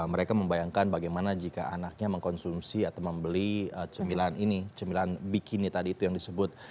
mereka membayangkan bagaimana jika anaknya mengkonsumsi atau membeli cemilan ini cemilan bikini tadi itu yang disebut